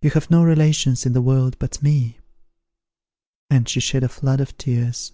you have no relations in the world but me!" and she shed a flood of tears.